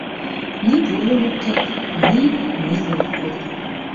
Ни пурлын ок керт, ни нелын ок колто.